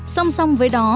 song song với đó